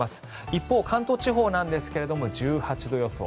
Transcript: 一方、関東地方ですが１８度予想。